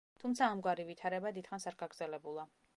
თუმცა ამგვარი ვითარება დიდხანს არ გაგრძელებულა.